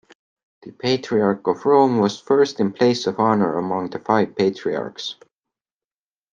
The patriarch of Rome was "first in place of honor" among the five patriarchs.